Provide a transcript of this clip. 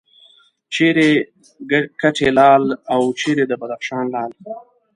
چیرې کټې لال او چیرې د بدخشان لعل.